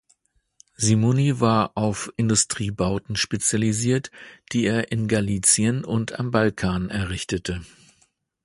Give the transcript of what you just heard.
Simony war auf Industriebauten spezialisiert, die er in Galizien und am Balkan errichtete.